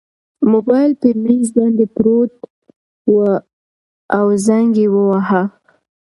موبایل په مېز باندې پروت و او زنګ یې واهه.